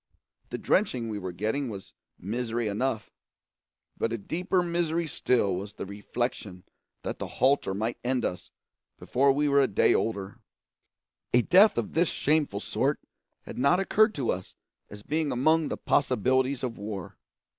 The drenching we were getting was misery enough, but a deeper misery still was the reflection that the halter might end us before we were a day older. A death of this shameful sort had not occurred to us as being among the possibilities of war.